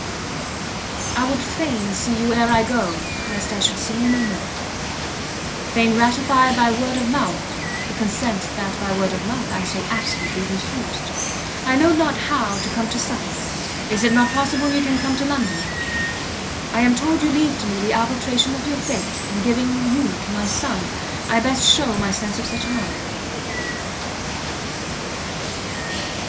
I would fain see you ere I go, lest I should see you no more; fain ratify by word of mouth the consent that by word of mouth I so absolutely refused! I know not how to come to Suffolk, is it not possible you can come to London? I am told you leave to me the arbitration of your fate, in giving you to my son, I best shew my sense of such an honour.